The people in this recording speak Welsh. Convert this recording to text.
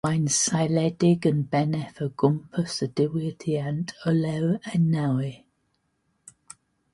Mae'n seiliedig yn bennaf o gwmpas y diwydiant olew a nwy.